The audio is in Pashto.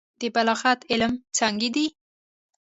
د بلاغت علم څانګې دي.